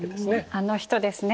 あの人ですね。